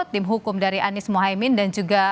tim hukum dari anies mohaimin dan juga